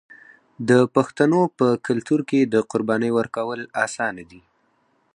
د پښتنو په کلتور کې د قربانۍ ورکول اسانه دي.